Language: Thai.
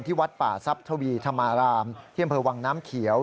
วัดป่าทรัพย์ทวีธรรมารามที่อำเภอวังน้ำเขียว